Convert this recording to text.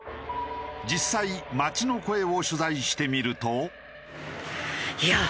実際街の声を取材してみると。